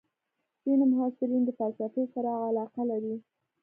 ځینې محصلین د فلسفې سره علاقه لري.